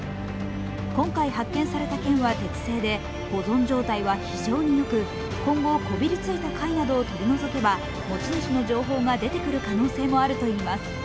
今回、発見された剣は鉄製で保存状態は非常に良く今後、こびりついた貝などを取り除けば持ち主の情報が出てくる可能性もあるといいます。